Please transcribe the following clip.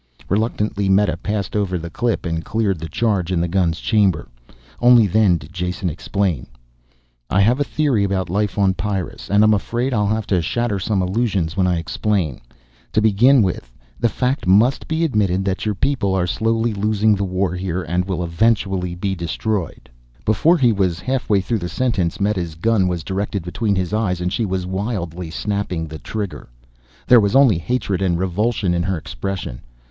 Reluctantly Meta passed over the clip and cleared the charge in the gun's chamber. Only then did Jason explain. "I have a theory about life on Pyrrus, and I'm afraid I'll have to shatter some illusions when I explain. To begin with, the fact must be admitted that your people are slowly losing the war here and will eventually be destroyed " Before he was half through the sentence, Meta's gun was directed between his eyes and she was wildly snapping the trigger. There was only hatred and revulsion in her expression.